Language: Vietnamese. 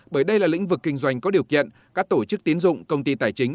bởi đây là lĩnh vực kinh doanh có điều kiện các tổ chức tiến dụng công ty tài chính